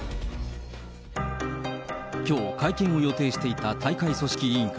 きょう、会見を予定していた大会組織委員会。